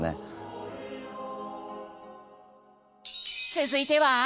続いては？